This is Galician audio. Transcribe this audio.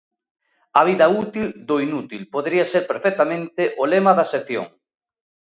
"A vida útil do inútil" podería ser perfectamente o lema da sección.